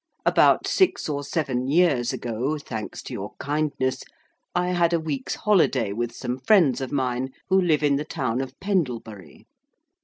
About six or seven years ago (thanks to your kindness) I had a week's holiday with some friends of mine who live in the town of Pendlebury.